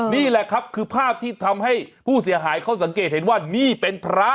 นี่แหละครับคือภาพที่ทำให้ผู้เสียหายเขาสังเกตเห็นว่านี่เป็นพระ